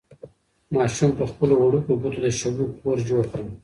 ماشوم په خپلو وړوکو ګوتو د شګو کور جوړ کړ.